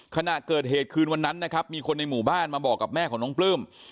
ขณะเกิดเหตุคืนวันนั้นนะครับมีคนในหมู่บ้านมาบอกกับแม่ของน้องปลื้ม